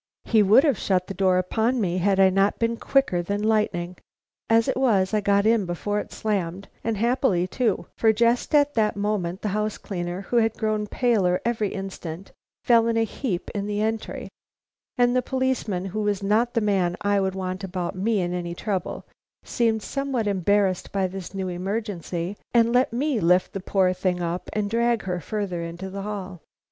He would have shut the door upon me had I not been quicker than lightning. As it was, I got in before it slammed, and happily too; for just at that moment the house cleaner, who had grown paler every instant, fell in a heap in the entry, and the policeman, who was not the man I would want about me in any trouble, seemed somewhat embarrassed by this new emergency, and let me lift the poor thing up and drag her farther into the hall.